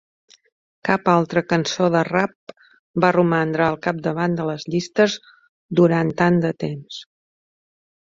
Cap altra cançó de rap va romandre al capdavant de les llistes durant tant de temps.